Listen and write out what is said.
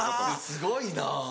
すごいな。